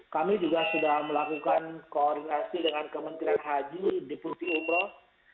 kami juga sudah melakukan koordinasi dengan kementerian haji deputi umroh